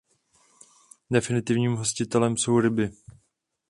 Definitivním hostitelem jsou ryby.